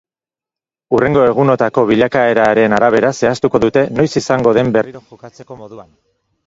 Hurrengo egunotako bilakaeraren arabera zehaztuko dute noiz izango den berriro jokatzeko moduan.